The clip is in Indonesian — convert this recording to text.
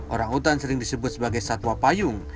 orang utan sering disebut sebagai satwa payung